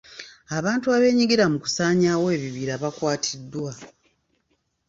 Abantu abeenyigira mu kusaanyawo ebibira bakwatiddwa.